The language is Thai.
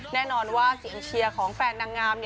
แน่นอนว่าเสียงเชียร์ของแฟนนางงาม